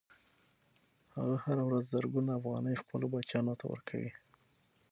هغه هره ورځ زرګونه افغانۍ خپلو بچیانو ته ورکوي